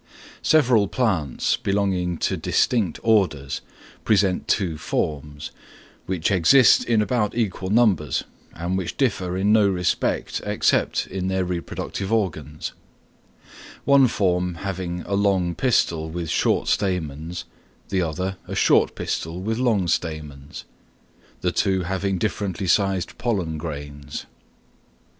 Several plants belonging to distinct orders present two forms, which exist in about equal numbers and which differ in no respect except in their reproductive organs; one form having a long pistil with short stamens, the other a short pistil with long stamens; the two having differently sized pollen grains.